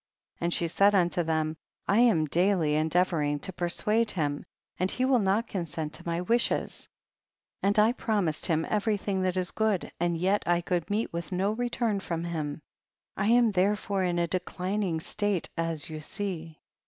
And she said unto them, I am daily endeavoring to persuade him, and he will not consent to my wishes, and I promised him every thing that is good, and yet I could meet* with no return from him ; I am therefore in a declining state as you see.